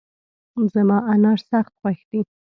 زما انار سخت خوښ دي